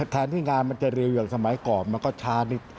แทนที่งานมันจะเร็วอย่างสมัยก่อนมันก็ช้านิด